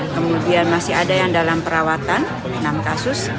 kemudian masih ada yang dalam perawatan enam kasus